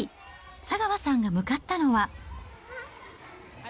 佐川さんが向かったのは。